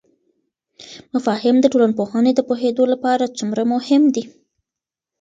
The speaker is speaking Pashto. مفاهیم د ټولنپوهنې د پوهیدو لپاره څومره مهم دي؟